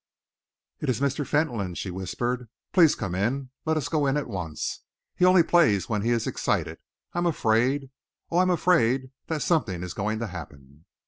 "It is Mr. Fentolin," she whispered. "Please come in; let us go in at once. He only plays when he is excited. I am afraid! Oh, I am afraid that something is going to happen!"